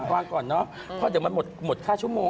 วางก่อนเนอะเพราะเดี๋ยวมันหมดค่าชั่วโมง